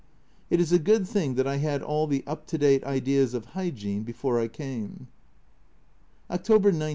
It is a good thing that I had all the up to date ideas of hygiene before I came ! October 19.